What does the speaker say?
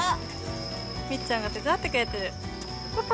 みっちゃんが手伝ってくれてるパパ